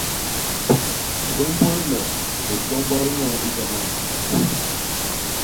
Sômbôl me bikombot nyoo i Jaman!